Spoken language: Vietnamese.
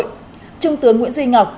trung tướng nguyễn duy ngọc